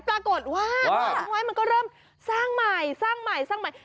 ปรากฏว่าวางไว้มันก็เริ่มสร้างใหม่สร้างใหม่สร้างใหม่